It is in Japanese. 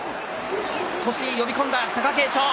少し呼び込んだ貴景勝。